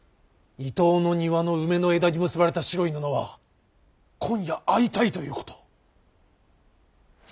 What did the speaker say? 伊東の庭の梅の枝に結ばれた白い布は今夜会いたいということ。